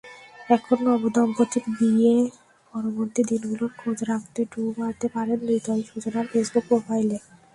এখন নবদম্পতির বিয়ে-পরবর্তী দিনগুলোর খোঁজ রাখতে ঢুঁ মারতে পারেন হৃদয়-সুজানার ফেসবুক প্রোফাইলে।